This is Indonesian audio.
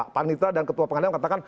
pak panitera dan ketua pengadilan katakan